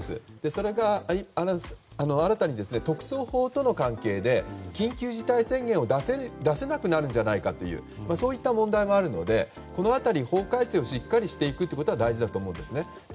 それが新たに特措法との関係で緊急事態宣言を出せなくなるんじゃないかという問題もあるのでこの辺りの法改正をしっかりしていくことが大事だと思います。